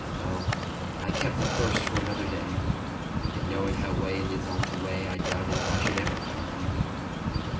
Oh, I kept the first for another day! Yet knowing how way leads on to way,I doubted if I should ever come back.